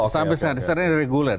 sampai sekarang disarankan dari gulen